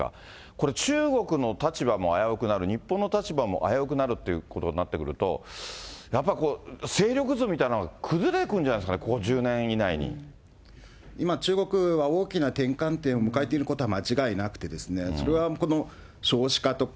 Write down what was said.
これ中国の立場も危うくなる、日本の立場も危うくなるということになってくると、やっぱ、こう、勢力図みたいなのが、崩れてくるんじゃないですかね、ここ１０年今、中国は大きな転換点を迎えていることは間違いなくて、それはこの少子化とか、